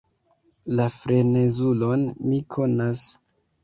La frenezulon mi konas.